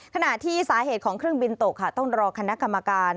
ขณะที่สาเหตุของเครื่องบินตกค่ะต้องรอคณะกรรมการ